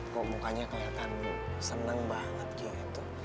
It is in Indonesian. kok mukanya keliatan seneng banget gitu